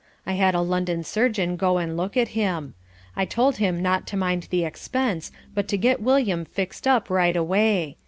I had a London surgeon go and look at him. I told him not to mind the expense but to get William fixed up right away.